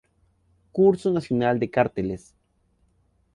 Concurso Nacional de carteles.